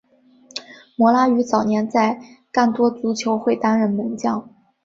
摩拉于早年在干多足球会担任门将。